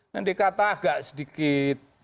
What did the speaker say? dan dikata agak sedikit